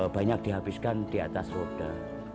banyak dihabiskan di atas roda